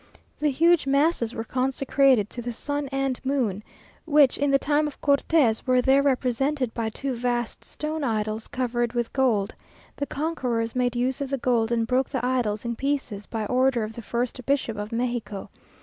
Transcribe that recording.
The huge masses were consecrated to the sun and moon, which, in the time of Cortes, were there represented by two vast stone idols, covered with gold. The conquerors made use of the gold, and broke the idols in pieces, by order of the first bishop of Mexico.